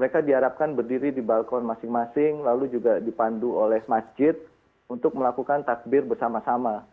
mereka diharapkan berdiri di balkon masing masing lalu juga dipandu oleh masjid untuk melakukan takbir bersama sama